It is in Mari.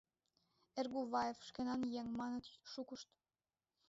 «Эргуваев — шкенан еҥ, — маныт шукышт.